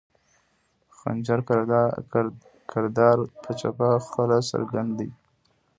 خنجر کردار پۀ چپه خله څرګند دے